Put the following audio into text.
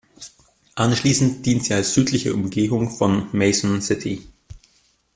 Anschließend dient sie als südliche Umgehung von Mason City.